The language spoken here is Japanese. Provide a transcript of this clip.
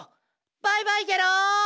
バイバイゲロ！